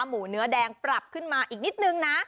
หมูเนื้อแดงปรับขึ้นมาอีกนิดนึงนะ